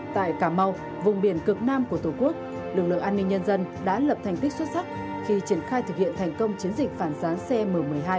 tại cà mau vùng biển cực nam của tổ quốc lực lượng an ninh nhân dân đã lập thành tích xuất sắc khi triển khai thực hiện thành công chiến dịch phản gián cm một mươi hai